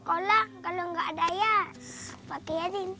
sekolah kalau gak ada ya pakai ini